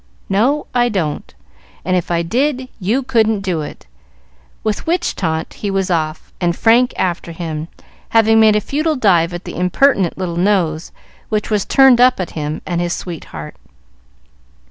"No, I don't; and if I did, you couldn't do it;" with which taunt he was off and Frank after him, having made a futile dive at the impertinent little nose which was turned up at him and his sweetheart.